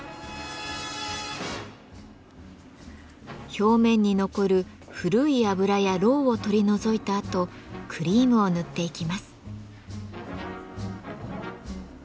表面に残る古い油やろうを取り除いたあとクリームを塗っていきます。